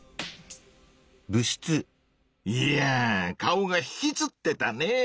いやぁ顔がひきつってたねぇ！